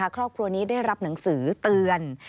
ครอบครัวนี้ได้รับหนังสือเตือน